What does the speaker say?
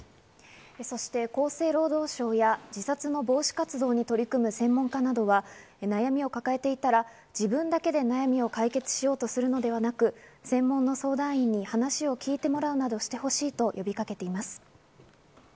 厚生労働省や自殺の防止活動に取り組む専門家などは、悩みを抱えていたら自分だけで悩みを解決しようとするのではなく、専門相談員に話を聞いてもらうなどしてほしいと呼びかけています。